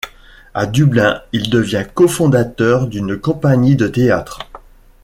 À Dublin, il devient cofondateur d’une compagnie de théâtre.